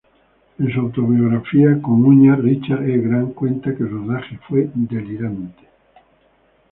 En su autobiografía, "Con Uñas", Richard E. Grant cuenta que el rodaje fue delirante.